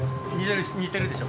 似てるでしょ？